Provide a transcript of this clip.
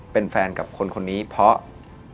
เป็นแฟนกับคนคนนี้เพราะ